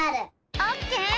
オッケー！